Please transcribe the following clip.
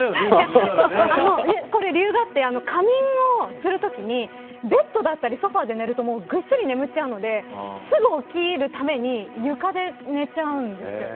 それは理由があって仮眠をするときにベッドだったりソファーで寝るとぐっすり眠ってしまうのですぐ起きるために床で寝ちゃうんですよ。